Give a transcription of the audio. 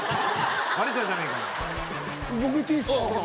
僕いっていいっすか？